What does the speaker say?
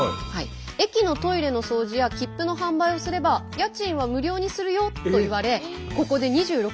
「駅のトイレの掃除や切符の販売をすれば家賃は無料にするよ」と言われ２６年？